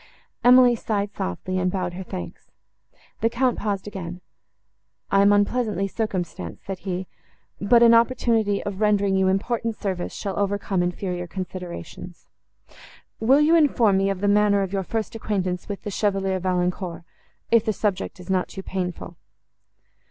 Emily sighed softly, and bowed her thanks. The Count paused again. "I am unpleasantly circumstanced," said he; "but an opportunity of rendering you important service shall overcome inferior considerations. Will you inform me of the manner of your first acquaintance with the Chevalier Valancourt, if the subject is not too painful?"